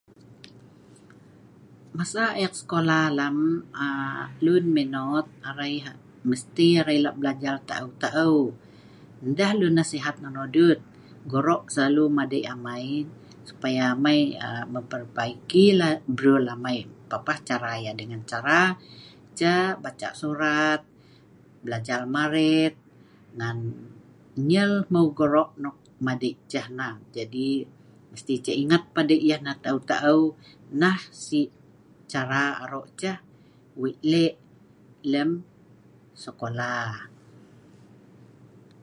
Masa ek sekolah alam aaa lun Minot arai lah mesti arai lah belajar ta'eu ta'eu ndeh lun nasehat nonoh dut goro' selalu madei' amai supaya amai aaa memperbaiki lah brul amai papah cara yah dengan cara ceh baca' surat, belajal maret, ngan nyel hmeu goro' nok madei' ceh nah jadi mesti ceh ingat padei' yah nah ngan ta'eu ta'eu nah si cara aro' ceh wei' leh' lem sekolah.